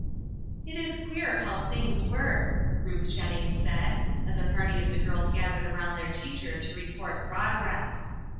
"It is queer how things work," Ruth Jen nings said, as a party of the girls gathered around their teacher to report progress.